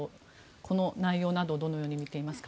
この内容などどのように見ていますか。